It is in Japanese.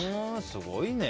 すごいね。